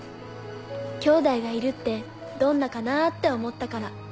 兄弟がいるってどんなかなぁって思ったから。